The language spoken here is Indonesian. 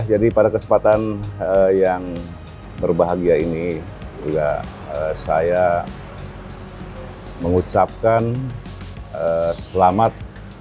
jadi pada kesempatan yang berbahagia ini juga saya mengucapkan selamat